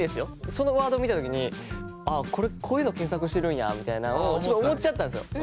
そのワード見た時にこういうの検索してるんやみたいなんを思っちゃったんですよ。